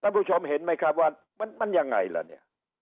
ผู้ชมเห็นไหมครับว่ามันยังไงล่ะเนี่ย